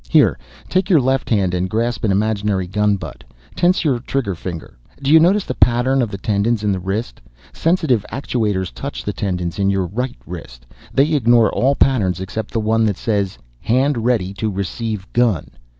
Here, take your left hand and grasp an imaginary gun butt. Tense your trigger finger. Do you notice the pattern of the tendons in the wrist? Sensitive actuators touch the tendons in your right wrist. They ignore all patterns except the one that says hand ready to receive gun.